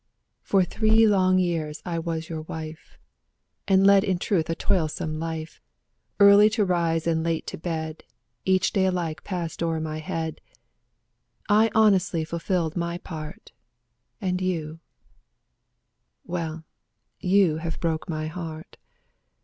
For three long years I was your wife, And led in truth a toilsome life; Early to rise and late to bed. Each day alike passed o'er my head. I honestly fulfilled my part; And you, — well, you have broke my heart.